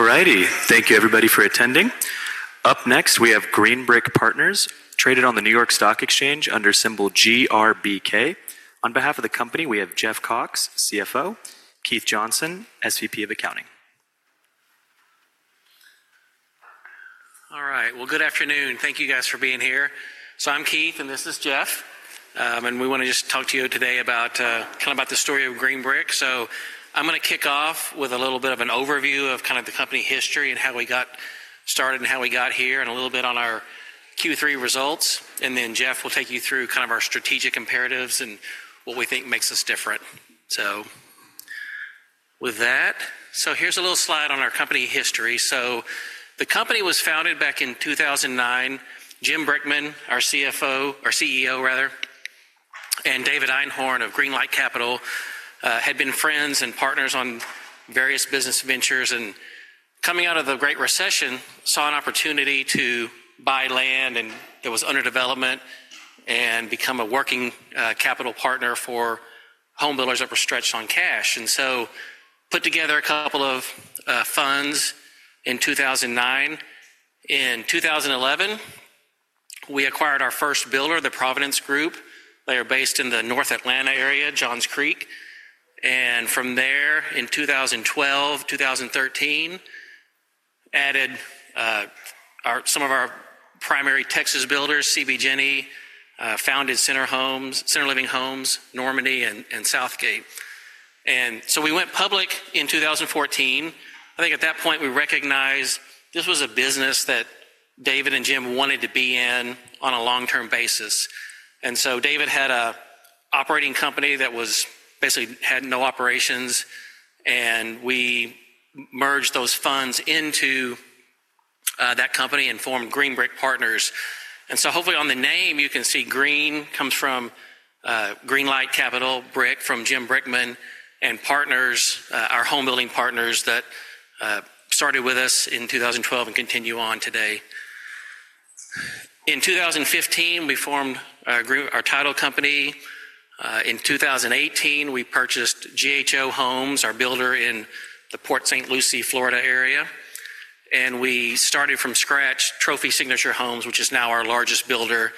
Alrighty, thank you everybody for attending. Up next, we have Green Brick Partners, traded on the New York Stock Exchange under symbol GRBK. On behalf of the company, we have Jeffery Cox, CFO, Keith Johnson, SVP of Accounting. Alright, good afternoon. Thank you guys for being here. I'm Keith, and this is Jeff. We want to just talk to you today about kind of the story of Green Brick. I'm going to kick off with a little bit of an overview of the company history and how we got started and how we got here, and a little bit on our Q3 results. Jeff will take you through our strategic imperatives and what we think makes us different. Here's a little slide on our company history. The company was founded back in 2009. Jim Brickman, our CEO, and David Einhorn of Greenlight Capital had been friends and partners on various business ventures. Coming out of the Great Recession, saw an opportunity to buy land, and it was under development, and become a working capital partner for homebuilders that were stretched on cash. Put together a couple of funds in 2009. In 2011, we acquired our first builder, the Providence Group. They are based in the North Atlanta area, Johns Creek. From there, in 2012, 2013, added some of our primary Texas builders, CB JENI, founded Center Living Homes, Normandy, and Southgate. We went public in 2014. I think at that point, we recognized this was a business that David and Jim wanted to be in on a long-term basis. David had an operating company that basically had no operations. We merged those funds into that company and formed Green Brick Partners. Hopefully on the name, you can see Green comes from Greenlight Capital, Brick from Jim Brickman, and Partners, our homebuilding partners that started with us in 2012 and continue on today. In 2015, we formed our title company. In 2018, we purchased GHO Homes, our builder in the Port St. Lucie, Florida area. We started from scratch, Trophy Signature Homes, which is now our largest builder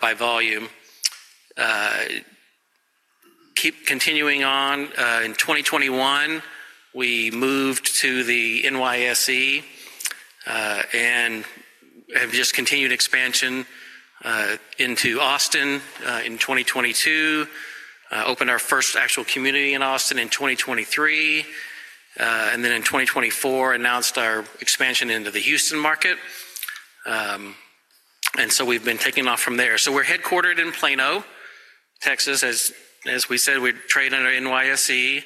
by volume. Continuing on, in 2021, we moved to the NYSE and have just continued expansion into Austin in 2022, opened our first actual community in Austin in 2023, and in 2024, announced our expansion into the Houston market. We have been taking off from there. We are headquartered in Plano, Texas. As we said, we trade under NYSE.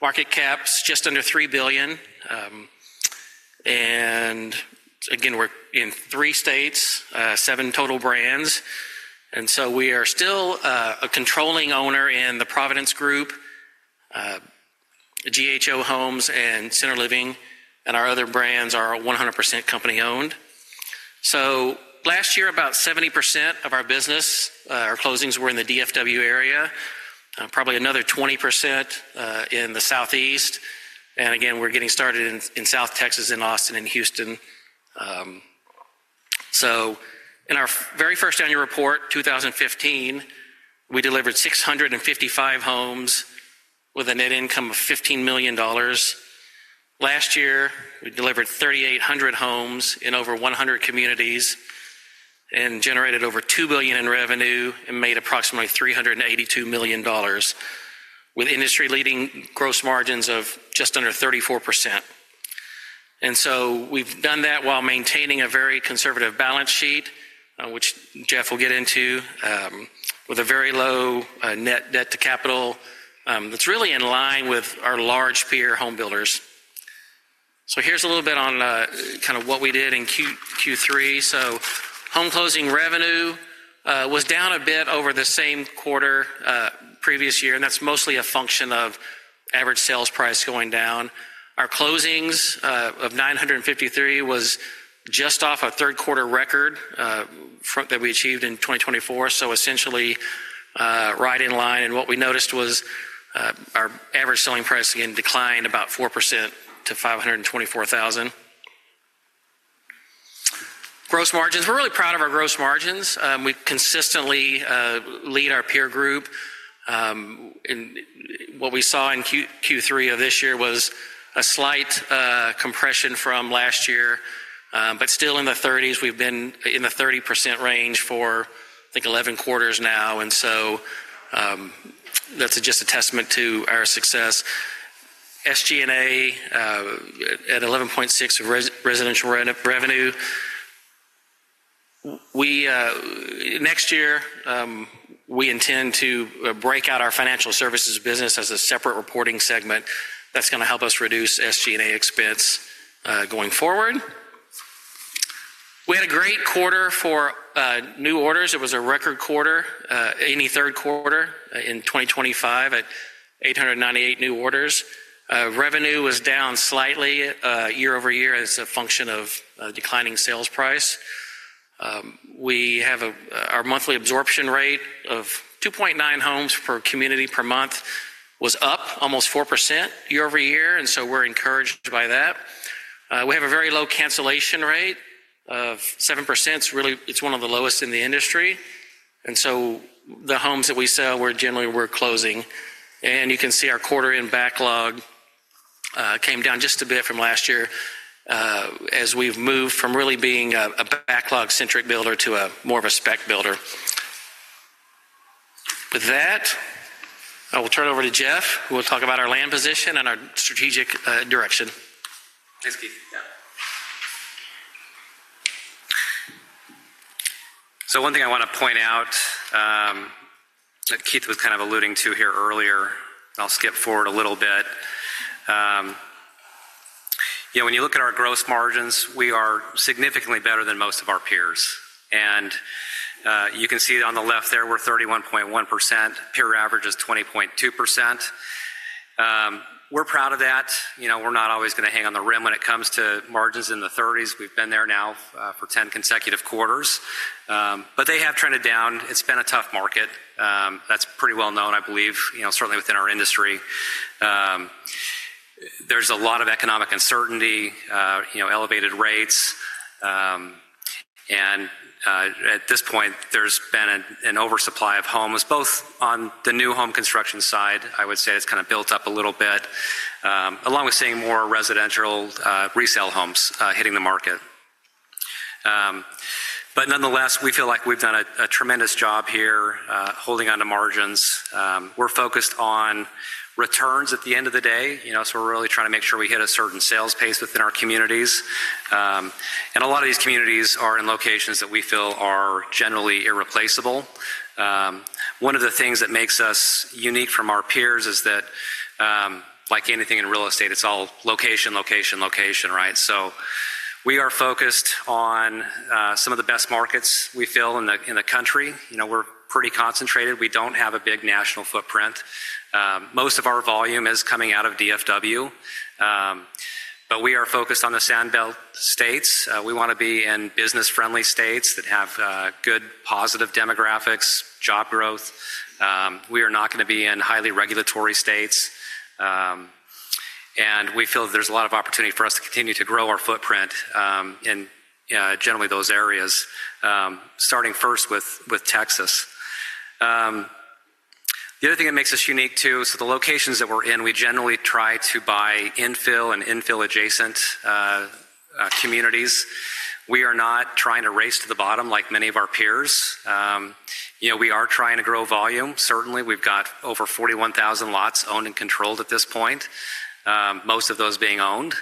Market cap's just under $3 billion. Again, we are in three states, seven total brands. We are still a controlling owner in the Providence Group, GHO Homes, and Center Living. Our other brands are 100% company owned. Last year, about 70% of our business, our closings were in the DFW area, probably another 20% in the Southeast. We are getting started in South Texas, in Austin, and Houston. In our very first annual report, 2015, we delivered 655 homes with a net income of $15 million. Last year, we delivered 3,800 homes in over 100 communities and generated over $2 billion in revenue and made approximately $382 million, with industry-leading gross margins of just under 34%. We have done that while maintaining a very conservative balance sheet, which Jeff will get into, with a very low net debt to capital that is really in line with our large peer homebuilders. Here's a little bit on kind of what we did in Q3. Home closing revenue was down a bit over the same quarter previous year, and that's mostly a function of average sales price going down. Our closings of 953 was just off a third-quarter record that we achieved in 2024, so essentially right in line. What we noticed was our average selling price again declined about 4% to $524,000. Gross margins, we're really proud of our gross margins. We consistently lead our peer group. What we saw in Q3 of this year was a slight compression from last year, but still in the 30s. We've been in the 30% range for, I think, 11 quarters now, and that's just a testament to our success. SG&A at 11.6% of residential revenue. Next year, we intend to break out our financial services business as a separate reporting segment that's going to help us reduce SG&A expense going forward. We had a great quarter for new orders. It was a record quarter, any third quarter in 2025 at 898 new orders. Revenue was down slightly year-over-year as a function of declining sales price. We have our monthly absorption rate of 2.9 homes per community per month was up almost 4% year-over-year. We are encouraged by that. We have a very low cancellation rate of 7%. It's really, it's one of the lowest in the industry. The homes that we sell, we're generally closing. You can see our quarter-end backlog came down just a bit from last year as we've moved from really being a backlog-centric builder to more of a spec builder. With that, I will turn it over to Jeff, who will talk about our land position and our strategic direction. Thanks, Keith. One thing I want to point out that Keith was kind of alluding to here earlier, I'll skip forward a little bit. When you look at our gross margins, we are significantly better than most of our peers. You can see on the left there, we're 31.1%. Peer average is 20.2%. We're proud of that. We're not always going to hang on the rim when it comes to margins in the 30s. We've been there now for 10 consecutive quarters. They have trended down. It's been a tough market. That's pretty well known, I believe, certainly within our industry. There's a lot of economic uncertainty, elevated rates. At this point, there's been an oversupply of homes, both on the new home construction side. I would say it's kind of built up a little bit, along with seeing more residential resale homes hitting the market. Nonetheless, we feel like we've done a tremendous job here holding on to margins. We're focused on returns at the end of the day. We're really trying to make sure we hit a certain sales pace within our communities. A lot of these communities are in locations that we feel are generally irreplaceable. One of the things that makes us unique from our peers is that, like anything in real estate, it's all location, location, location, right? We are focused on some of the best markets we feel in the country. We're pretty concentrated. We don't have a big national footprint. Most of our volume is coming out of DFW. We are focused on the Sandbelt states. We want to be in business-friendly states that have good positive demographics, job growth. We are not going to be in highly regulatory states. We feel there is a lot of opportunity for us to continue to grow our footprint in generally those areas, starting first with Texas. The other thing that makes us unique too, so the locations that we are in, we generally try to buy infill and infill-adjacent communities. We are not trying to race to the bottom like many of our peers. We are trying to grow volume. Certainly, we have got over 41,000 lots owned and controlled at this point, most of those being owned.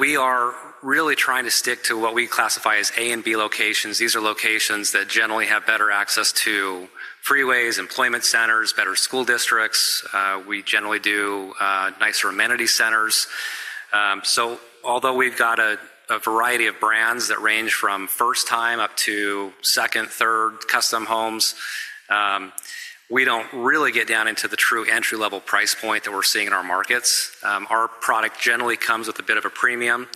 We are really trying to stick to what we classify as A and B locations. These are locations that generally have better access to freeways, employment centers, better school districts. We generally do nicer amenity centers. Although we've got a variety of brands that range from first-time up to second, third custom homes, we don't really get down into the true entry-level price point that we're seeing in our markets. Our product generally comes with a bit of a premium.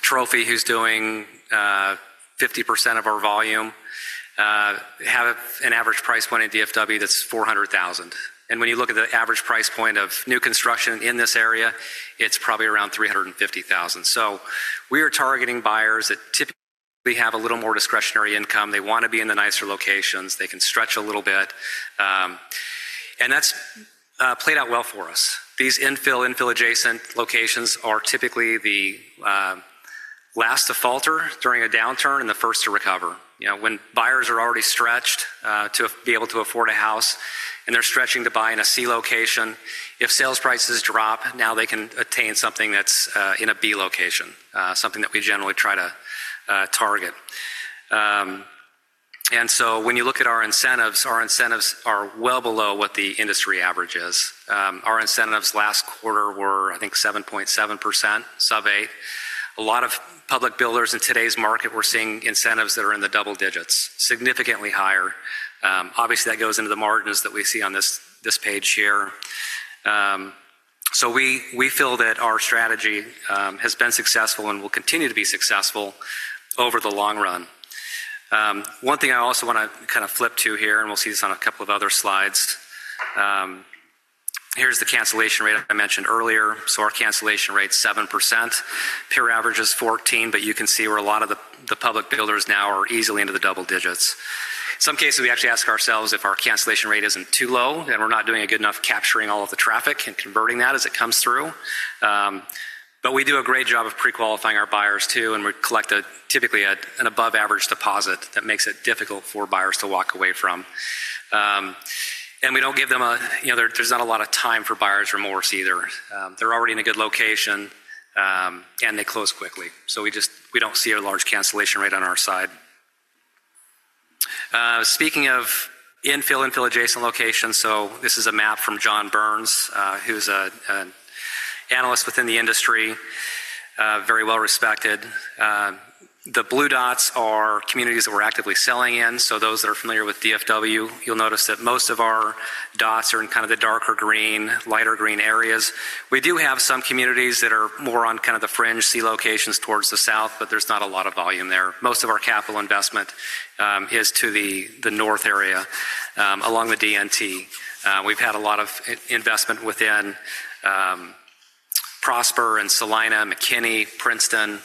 Trophy, who's doing 50% of our volume, have an average price point in DFW that's $400,000. When you look at the average price point of new construction in this area, it's probably around $350,000. We are targeting buyers that typically have a little more discretionary income. They want to be in the nicer locations. They can stretch a little bit. That's played out well for us. These infill, infill-adjacent locations are typically the last to falter during a downturn and the first to recover. When buyers are already stretched to be able to afford a house and they're stretching to buy in a C location, if sales prices drop, now they can attain something that's in a B location, something that we generally try to target. When you look at our incentives, our incentives are well below what the industry average is. Our incentives last quarter were, I think, 7.7%, sub 8%. A lot of public builders in today's market, we're seeing incentives that are in the double digits, significantly higher. Obviously, that goes into the margins that we see on this page here. We feel that our strategy has been successful and will continue to be successful over the long run. One thing I also want to kind of flip to here, and we'll see this on a couple of other slides. Here's the cancellation rate I mentioned earlier. Our cancellation rate's 7%. Peer average is 14%, but you can see where a lot of the public builders now are easily into the double digits. In some cases, we actually ask ourselves if our cancellation rate isn't too low and we're not doing a good enough job capturing all of the traffic and converting that as it comes through. We do a great job of pre-qualifying our buyers too, and we collect typically an above-average deposit that makes it difficult for buyers to walk away from. We don't give them a, there's not a lot of time for buyers' remorse either. They're already in a good location and they close quickly. We don't see a large cancellation rate on our side. Speaking of infill, infill-adjacent locations, this is a map from Chris Byrnes, who's an analyst within the industry, very well respected. The blue dots are communities that we're actively selling in. Those that are familiar with DFW, you'll notice that most of our dots are in kind of the darker green, lighter green areas. We do have some communities that are more on kind of the fringe C locations towards the south, but there's not a lot of volume there. Most of our capital investment is to the north area along the DNT. We've had a lot of investment within Prosper and Celina, McKinney, Princeton.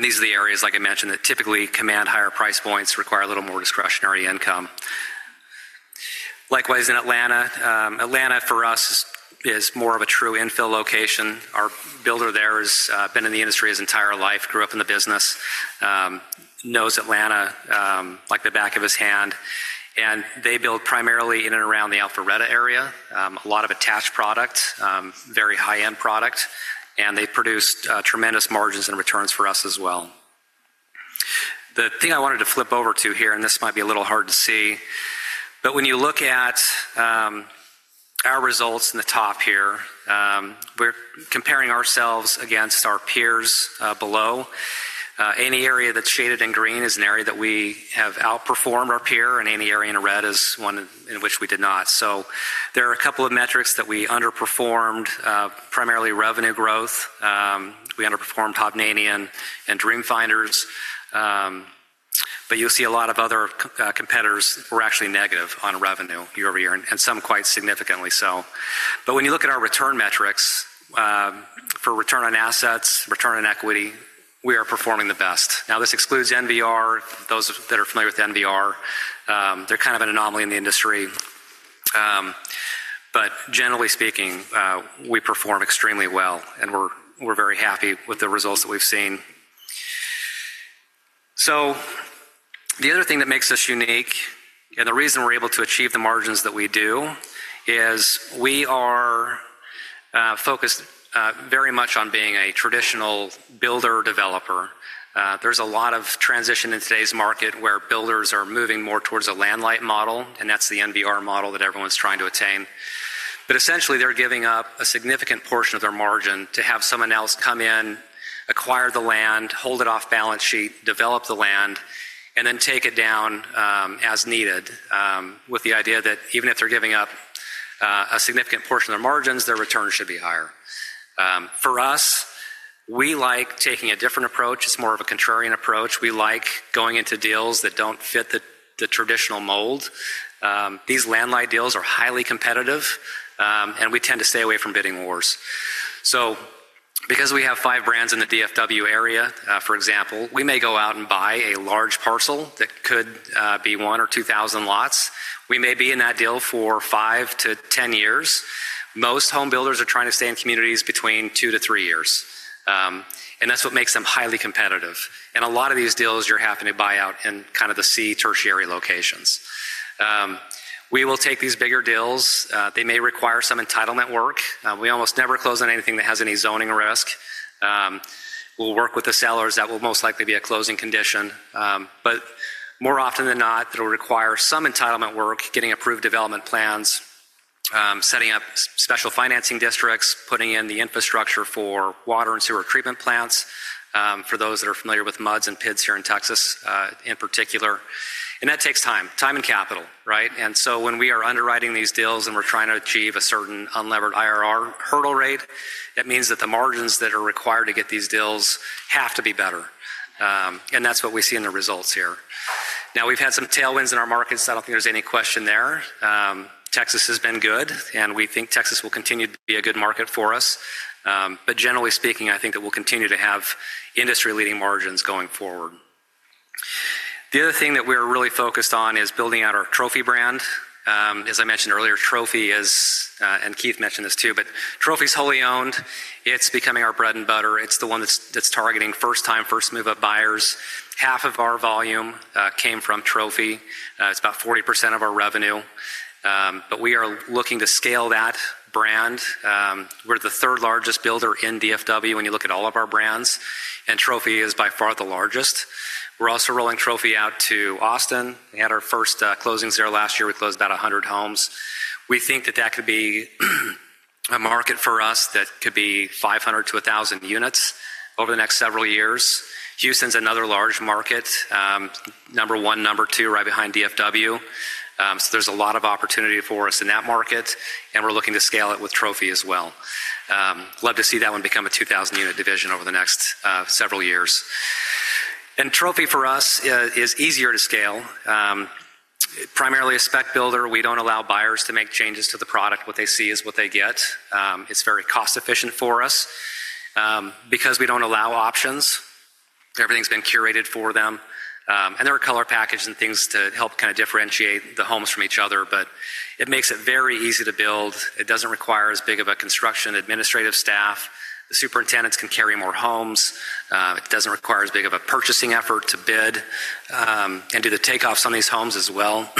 These are the areas, like I mentioned, that typically command higher price points, require a little more discretionary income. Likewise in Atlanta. Atlanta for us is more of a true infill location. Our builder there has been in the industry his entire life, grew up in the business, knows Atlanta like the back of his hand. They build primarily in and around the Alpharetta area, a lot of attached product, very high-end product, and they've produced tremendous margins and returns for us as well. The thing I wanted to flip over to here, and this might be a little hard to see, but when you look at our results in the top here, we're comparing ourselves against our peers below. Any area that's shaded in green is an area that we have outperformed our peer, and any area in red is one in which we did not. There are a couple of metrics that we underperformed, primarily revenue growth. We underperformed Hovnanian and Dream Finders. You'll see a lot of other competitors were actually negative on revenue year-over-year, and some quite significantly so. When you look at our return metrics for return on assets, return on equity, we are performing the best. This excludes NVR. Those that are familiar with NVR, they're kind of an anomaly in the industry. Generally speaking, we perform extremely well, and we're very happy with the results that we've seen. The other thing that makes us unique and the reason we're able to achieve the margins that we do is we are focused very much on being a traditional builder developer. There's a lot of transition in today's market where builders are moving more towards a landlight model, and that's the NVR model that everyone's trying to attain. Essentially, they're giving up a significant portion of their margin to have someone else come in, acquire the land, hold it off balance sheet, develop the land, and then take it down as needed with the idea that even if they're giving up a significant portion of their margins, their return should be higher. For us, we like taking a different approach. It's more of a contrarian approach. We like going into deals that don't fit the traditional mold. These landlight deals are highly competitive, and we tend to stay away from bidding wars. Because we have five brands in the DFW area, for example, we may go out and buy a large parcel that could be one or two thousand lots. We may be in that deal for five to ten years. Most home builders are trying to stay in communities between two to three years. That's what makes them highly competitive. A lot of these deals you're happy to buy out in kind of the C tertiary locations. We will take these bigger deals. They may require some entitlement work. We almost never close on anything that has any zoning risk. We'll work with the sellers; that will most likely be a closing condition. More often than not, it'll require some entitlement work, getting approved development plans, setting up special financing districts, putting in the infrastructure for water and sewer treatment plants for those that are familiar with MUDs and PIDs here in Texas in particular. That takes time, time and capital, right? When we are underwriting these deals and we're trying to achieve a certain unlevered IRR hurdle rate, that means that the margins that are required to get these deals have to be better. That is what we see in the results here. We have had some tailwinds in our markets. I do not think there is any question there. Texas has been good, and we think Texas will continue to be a good market for us. Generally speaking, I think that we will continue to have industry-leading margins going forward. The other thing that we are really focused on is building out our Trophy brand. As I mentioned earlier, Trophy is, and Keith mentioned this too, but Trophy is wholly owned. It is becoming our bread and butter. It is the one that is targeting first-time, first-move-up buyers. Half of our volume came from Trophy. It is about 40% of our revenue. We are looking to scale that brand. We are the third largest builder in DFW when you look at all of our brands, and Trophy is by far the largest. We are also rolling Trophy out to Austin. We had our first closings there last year. We closed about 100 homes. We think that that could be a market for us that could be 500-1,000 units over the next several years. Houston's another large market, number one, number two, right behind DFW. There is a lot of opportunity for us in that market, and we're looking to scale it with Trophy as well. Love to see that one become a 2,000-unit division over the next several years. Trophy for us is easier to scale. Primarily a spec builder. We do not allow buyers to make changes to the product. What they see is what they get. It is very cost-efficient for us because we do not allow options. Everything's been curated for them. There are color packages and things to help kind of differentiate the homes from each other, but it makes it very easy to build. It doesn't require as big of a construction administrative staff. The superintendents can carry more homes. It doesn't require as big of a purchasing effort to bid and do the takeoffs on these homes as well.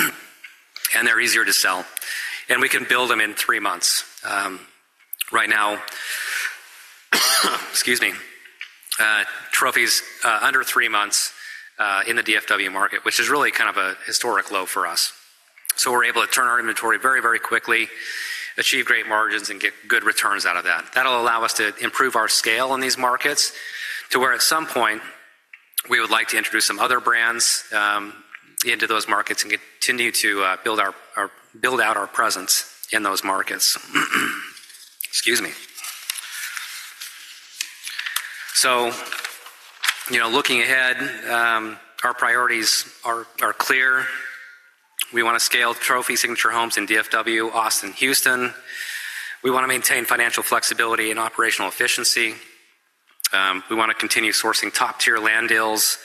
They're easier to sell. We can build them in three months. Right now, excuse me, Trophy's under three months in the DFW market, which is really kind of a historic low for us. We're able to turn our inventory very, very quickly, achieve great margins, and get good returns out of that. That'll allow us to improve our scale in these markets to where at some point we would like to introduce some other brands into those markets and continue to build out our presence in those markets. Excuse me. Looking ahead, our priorities are clear. We want to scale Trophy Signature Homes in DFW, Austin, Houston. We want to maintain financial flexibility and operational efficiency. We want to continue sourcing top-tier land deals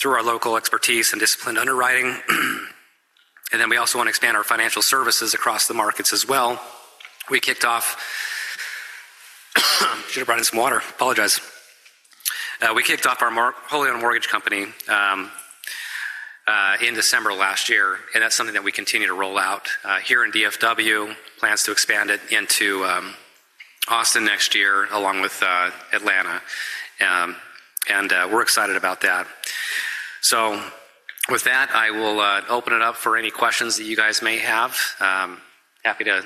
through our local expertise and disciplined underwriting. We also want to expand our financial services across the markets as well. We kicked off, should have brought in some water. Apologize. We kicked off our wholly-owned mortgage company in December of last year, and that's something that we continue to roll out here in DFW, with plans to expand it into Austin next year along with Atlanta. We are excited about that. With that, I will open it up for any questions that you guys may have. Happy to,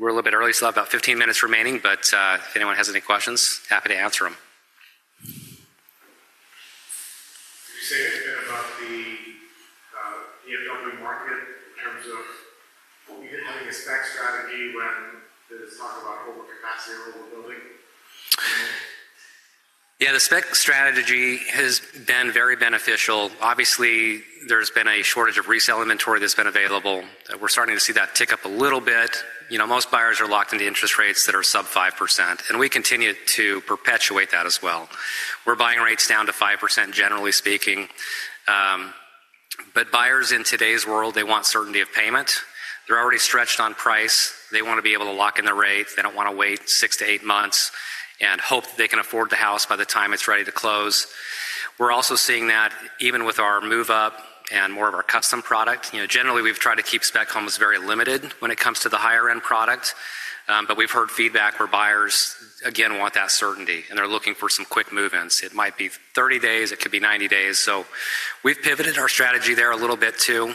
we're a little bit early, so I have about 15 minutes remaining, but if anyone has any questions, happy to answer them. Did you say anything about the DFW market in terms of having a spec strategy when there's talk about overcapacity or overbuilding? Yeah, the spec strategy has been very beneficial. Obviously, there's been a shortage of resale inventory that's been available. We're starting to see that tick up a little bit. Most buyers are locked into interest rates that are sub 5%, and we continue to perpetuate that as well. We're buying rates down to 5%, generally speaking. Buyers in today's world, they want certainty of payment. They're already stretched on price. They want to be able to lock in the rate. They don't want to wait six to eight months and hope that they can afford the house by the time it's ready to close. We're also seeing that even with our move-up and more of our custom product. Generally, we've tried to keep spec homes very limited when it comes to the higher-end product, but we've heard feedback where buyers, again, want that certainty and they're looking for some quick move-ins. It might be 30 days. It could be 90 days. We have pivoted our strategy there a little bit too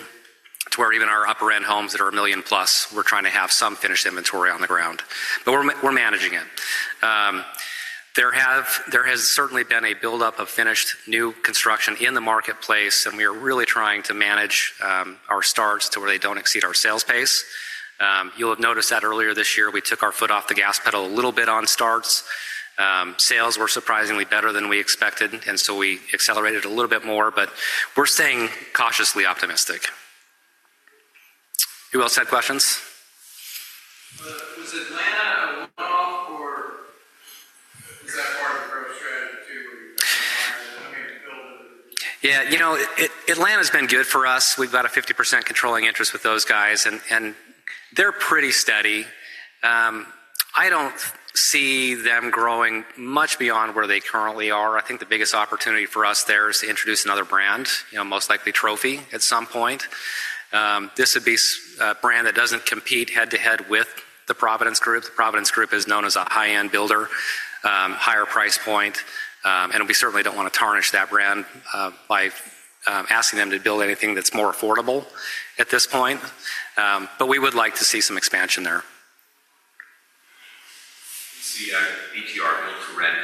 to where even our upper-end homes that are a million plus, we're trying to have some finished inventory on the ground. We are managing it. There has certainly been a buildup of finished new construction in the marketplace, and we are really trying to manage our starts to where they do not exceed our sales pace. You'll have noticed that earlier this year, we took our foot off the gas pedal a little bit on starts. Sales were surprisingly better than we expected, and we accelerated a little bit more, but we're staying cautiously optimistic. Who else had questions? Was Atlanta a one-off or is that part of the growth strategy too where you're trying to find that? I mean, build it. Yeah, Atlanta's been good for us. We've got a 50% controlling interest with those guys, and they're pretty steady. I don't see them growing much beyond where they currently are. I think the biggest opportunity for us there is to introduce another brand, most likely Trophy at some point. This would be a brand that doesn't compete head-to-head with the Providence Group. The Providence Group is known as a high-end builder, higher price point, and we certainly don't want to tarnish that brand by asking them to build anything that's more affordable at this point. We would like to see some expansion there. Do you see that BTR build to rent?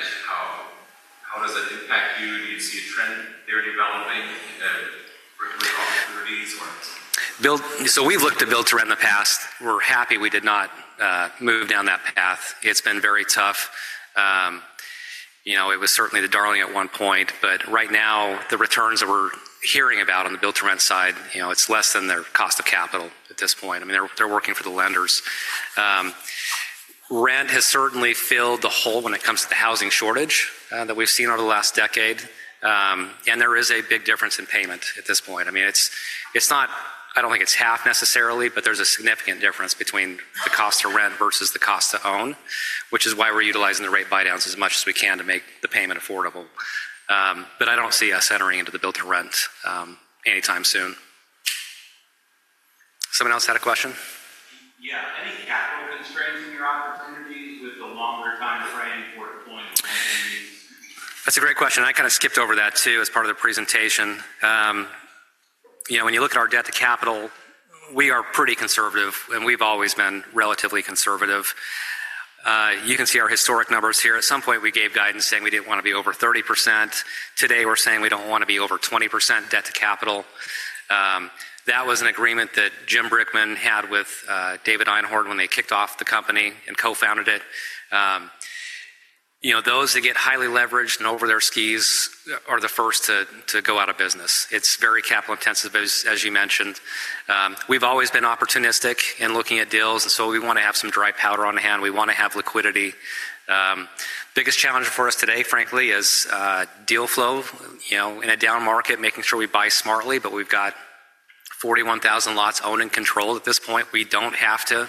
How does that impact you? Do you see a trend there developing with opportunities or? We've looked at build to rent in the past. We're happy we did not move down that path. It's been very tough. It was certainly the darling at one point, but right now, the returns that we're hearing about on the build to rent side, it's less than their cost of capital at this point. I mean, they're working for the lenders. Rent has certainly filled the hole when it comes to the housing shortage that we've seen over the last decade, and there is a big difference in payment at this point. I mean, it's not, I don't think it's half necessarily, but there's a significant difference between the cost to rent versus the cost to own, which is why we're utilizing the rate buy-downs as much as we can to make the payment affordable. I don't see us entering into the build to rent anytime soon. Somebody else had a question? Yeah. Any capital constraints in your opportunities with the longer time frame for deploying rent in these? That's a great question. I kind of skipped over that too as part of the presentation. When you look at our debt to capital, we are pretty conservative, and we've always been relatively conservative. You can see our historic numbers here. At some point, we gave guidance saying we didn't want to be over 30%. Today, we're saying we don't want to be over 20% debt to capital. That was an agreement that Jim Brickman had with David Einhorn when they kicked off the company and co-founded it. Those that get highly leveraged and over their skis are the first to go out of business. It's very capital intensive, as you mentioned. We've always been opportunistic in looking at deals, and so we want to have some dry powder on hand. We want to have liquidity. Biggest challenge for us today, frankly, is deal flow in a down market, making sure we buy smartly, but we've got 41,000 lots owned and controlled at this point. We don't have to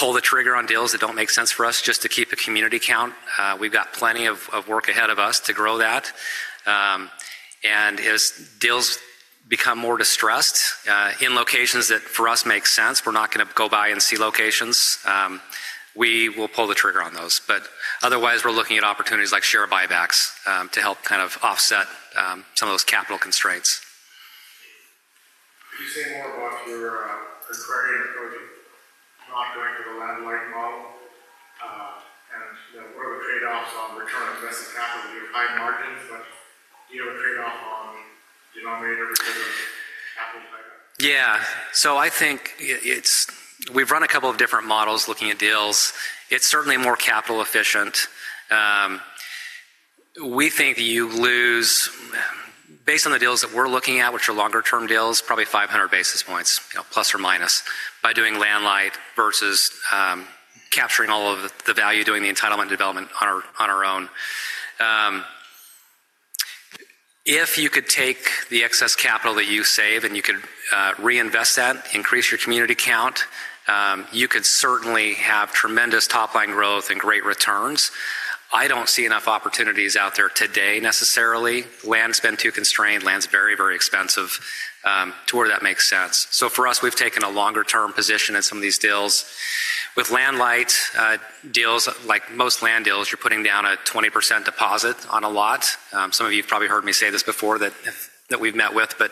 pull the trigger on deals that don't make sense for us just to keep a community count. We've got plenty of work ahead of us to grow that. As deals become more distressed in locations that for us make sense, we're not going to go buy in C locations. We will pull the trigger on those. Otherwise, we're looking at opportunities like share buybacks to help kind of offset some of those capital constraints. Could you say more about your contrarian approach of not going for the landlight model? What are the trade-offs on return on invested capital? You have high margins, but do you have a trade-off on denominator because of capital tied up? Yeah. I think we've run a couple of different models looking at deals. It's certainly more capital efficient. We think that you lose, based on the deals that we're looking at, which are longer-term deals, probably 500 basis points plus or minus by doing landlight versus capturing all of the value, doing the entitlement development on our own. If you could take the excess capital that you save and you could reinvest that, increase your community count, you could certainly have tremendous top-line growth and great returns. I don't see enough opportunities out there today necessarily. Land's been too constrained. Land's very, very expensive to where that makes sense. For us, we've taken a longer-term position in some of these deals. With landlight deals, like most land deals, you're putting down a 20% deposit on a lot. Some of you have probably heard me say this before that we've met with, but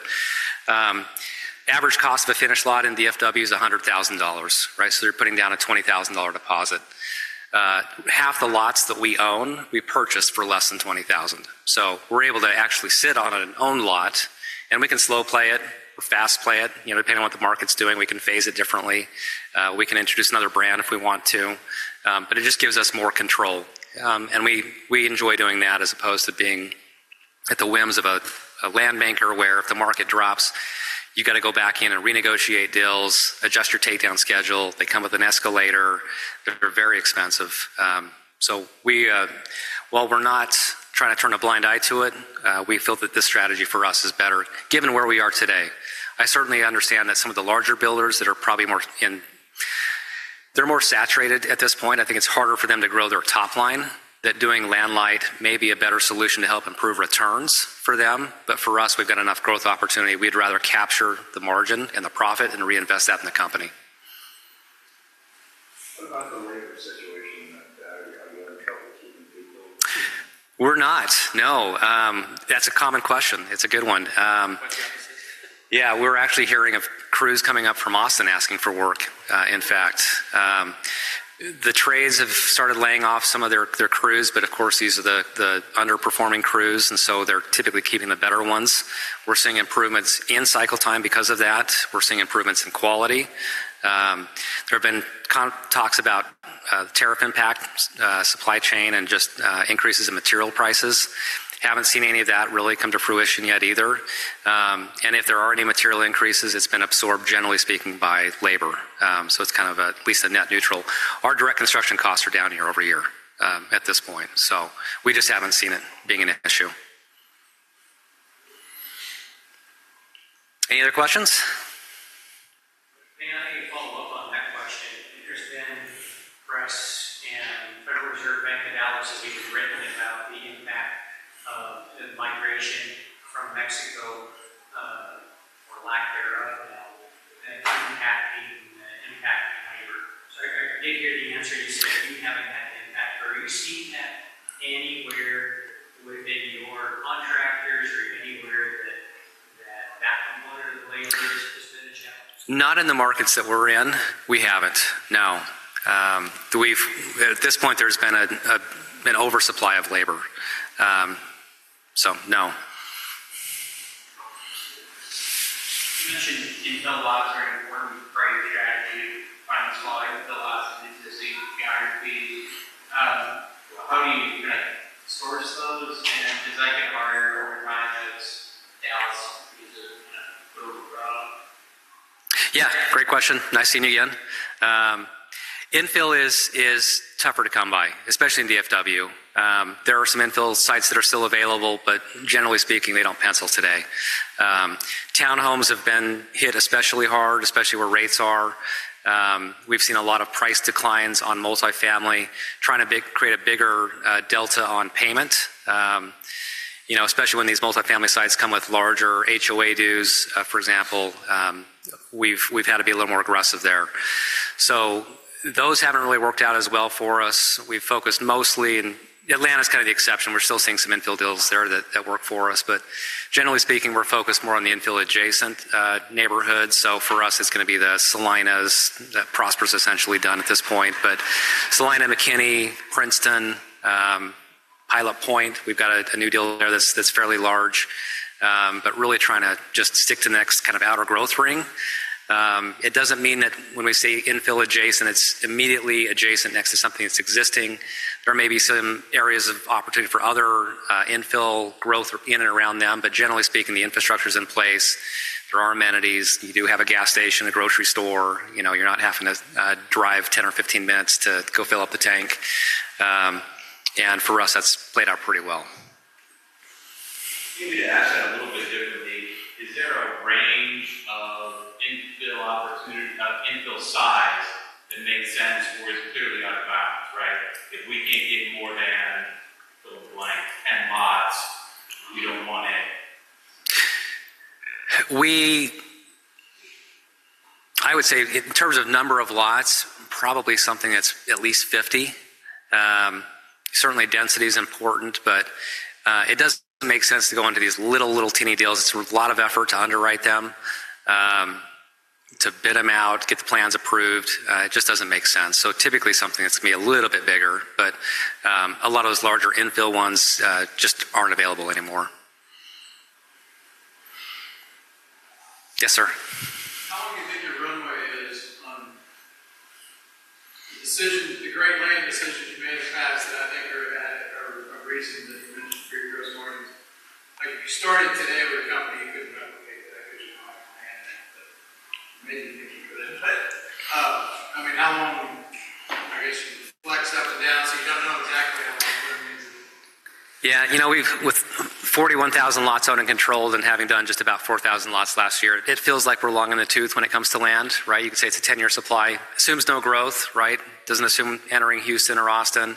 average cost of a finished lot in DFW is $100,000, right? You're putting down a $20,000 deposit. Half the lots that we own, we purchased for less than $20,000. We're able to actually sit on an owned lot, and we can slow play it or fast play it, depending on what the market's doing. We can phase it differently. We can introduce another brand if we want to, but it just gives us more control. We enjoy doing that as opposed to being at the whims of a land banker where if the market drops, you have to go back in and renegotiate deals, adjust your takedown schedule. They come with an escalator. They're very expensive. While we're not trying to turn a blind eye to it, we feel that this strategy for us is better given where we are today. I certainly understand that some of the larger builders that are probably more in, they're more saturated at this point. I think it's harder for them to grow their top line than doing landlight may be a better solution to help improve returns for them. For us, we've got enough growth opportunity. We'd rather capture the margin and the profit and reinvest that in the company. What about the labor situation? Are you having trouble keeping people? We're not. No. That's a common question. It's a good one. Yeah. We're actually hearing of crews coming up from Austin asking for work, in fact. The trades have started laying off some of their crews, but of course, these are the underperforming crews, and so they're typically keeping the better ones. We're seeing improvements in cycle time because of that. We're seeing improvements in quality. There have been talks about tariff impact, supply chain, and just increases in material prices. Haven't seen any of that really come to fruition yet either. If there are any material increases, it's been absorbed, generally speaking, by labor. It's kind of at least a net neutral. Our direct construction costs are down year-over-year at this point. We just haven't seen it being an issue. Any other questions? May I follow up on that question? There's been press and Federal Reserve Bank of Dallas has even written about the impact of the migration from Mexico or lack thereof now and impacting labor. I did hear the answer. You said you haven't had the impact. Are you seeing that anywhere within your contractors or anywhere that that component of labor has been a challenge? Not in the markets that we're in. We haven't. No. At this point, there's been an oversupply of labor. No. You mentioned infill lots are an important price strategy, finding smaller infill lots in existing geography. How do you kind of source those? Is that getting harder over time as Dallas needs to kind of build a product? Yeah. Great question. Nice seeing you again. Infill is tougher to come by, especially in DFW. There are some infill sites that are still available, but generally speaking, they don't pencil today. Town homes have been hit especially hard, especially where rates are. We've seen a lot of price declines on multifamily, trying to create a bigger delta on payment, especially when these multifamily sites come with larger HOA dues, for example. We've had to be a little more aggressive there. Those haven't really worked out as well for us. We've focused mostly, and Atlanta's kind of the exception. We're still seeing some infill deals there that work for us, but generally speaking, we're focused more on the infill adjacent neighborhoods. For us, it's going to be the Celinas that Prosper's essentially done at this point, but Celina, McKinney, Princeton, Pilot Point. We've got a new deal there that's fairly large, but really trying to just stick to the next kind of outer growth ring. It doesn't mean that when we say infill adjacent, it's immediately adjacent next to something that's existing. There may be some areas of opportunity for other infill growth in and around them, but generally speaking, the infrastructure's in place. There are amenities. You do have a gas station, a grocery store. You're not having to drive 10 or 15 minutes to go fill up the tank. For us, that's played out pretty well. Maybe to ask that a little bit differently, is there a range of infill size that makes sense or is clearly out of bounds, right? If we can't get more than, fill the blank, 10 lots, you don't want it. I would say in terms of number of lots, probably something that's at least 50. Certainly, density is important, but it doesn't make sense to go into these little, little teeny deals. It's a lot of effort to underwrite them, to bid them out, get the plans approved. It just doesn't make sense. Typically, something that is going to be a little bit bigger, but a lot of those larger infill ones just are not available anymore. Yes, sir. How long do you think your runway is on the great land decisions you made in the past that I think are a reason that you mentioned for your gross margins? If you started today with a company, you could not replicate that because you do not have land, but maybe you think you could. I mean, how long, I guess, you flex up and down? You do not know exactly how long you are going to be in. With 41,000 lots owned and controlled and having done just about 4,000 lots last year, it feels like we are long in the tooth when it comes to land, right? You can say it is a 10-year supply. Assumes no growth, right? Does not assume entering Houston or Austin.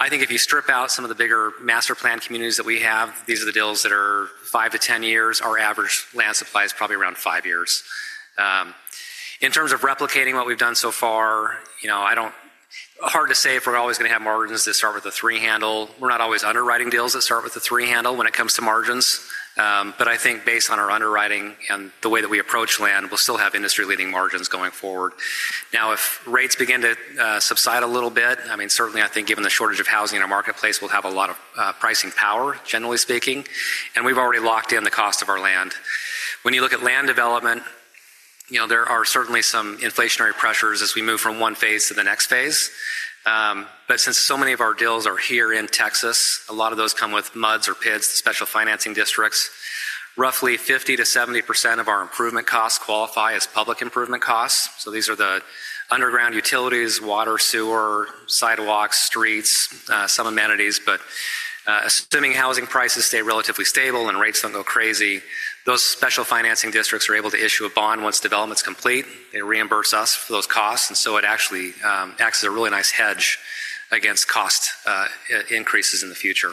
I think if you strip out some of the bigger master plan communities that we have, these are the deals that are 5-10 years. Our average land supply is probably around 5 years. In terms of replicating what we've done so far, I don't know. Hard to say if we're always going to have margins that start with a 3 handle. We're not always underwriting deals that start with a 3 handle when it comes to margins. I think based on our underwriting and the way that we approach land, we'll still have industry-leading margins going forward. Now, if rates begin to subside a little bit, I mean, certainly, I think given the shortage of housing in our marketplace, we'll have a lot of pricing power, generally speaking, and we've already locked in the cost of our land. When you look at land development, there are certainly some inflationary pressures as we move from one phase to the next phase. Since so many of our deals are here in Texas, a lot of those come with MUDs or PIDs, the special financing districts. Roughly 50-70% of our improvement costs qualify as public improvement costs. These are the underground utilities, water, sewer, sidewalks, streets, some amenities. Assuming housing prices stay relatively stable and rates do not go crazy, those special financing districts are able to issue a bond once development is complete. They reimburse us for those costs, and it actually acts as a really nice hedge against cost increases in the future.